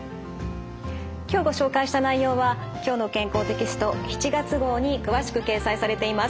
今日ご紹介した内容は「きょうの健康」テキスト７月号に詳しく掲載されています。